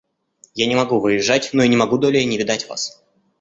Я не могу выезжать, но и не могу долее не видать вас.